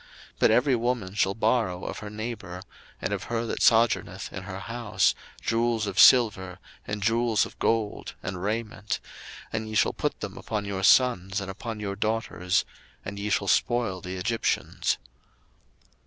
02:003:022 But every woman shall borrow of her neighbour, and of her that sojourneth in her house, jewels of silver, and jewels of gold, and raiment: and ye shall put them upon your sons, and upon your daughters; and ye shall spoil the Egyptians.